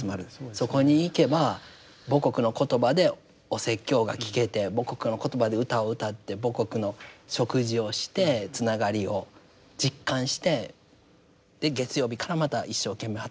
そこに行けば母国の言葉でお説教が聞けて母国の言葉で歌を歌って母国の食事をしてつながりを実感してで月曜日からまた一生懸命働くっていう。